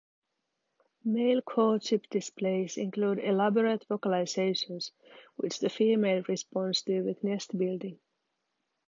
Male courtship displays include elaborate vocalizations, which the female responds to with nest building.